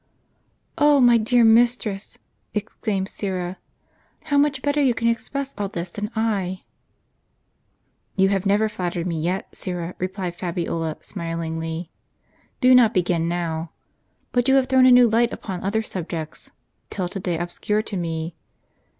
"" 0 my dear mistress," exclaimed Syra, "how much better you can express all this than I !"" You have never flattered me yet, Syra," replied Fabiola, smilingly ; "do not begin now. But you have thrown a new light upon other subjects, till to day obscure to me.